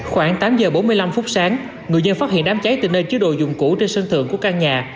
khoảng tám giờ bốn mươi năm phút sáng người dân phát hiện đám cháy từ nơi chứa đồ dụng cũ trên sân thượng của căn nhà